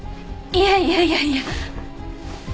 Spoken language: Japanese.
いやいやいやいや。